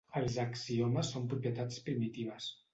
Els axiomes són propietats primitives.